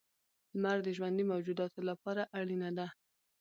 • لمر د ژوندي موجوداتو لپاره اړینه دی.